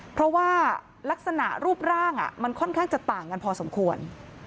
เพราะว่าลักษณะรูปร่างมันค่อนข้างจะต่างกันพอสมควร